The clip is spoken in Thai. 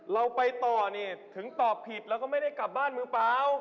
เราไปต่อนี่ถึงตอบผิดแล้วก็ไม่ได้กลับบ้านมือเปล่า